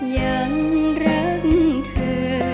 ยังรักเธอ